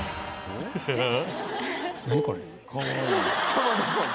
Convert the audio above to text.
浜田さん。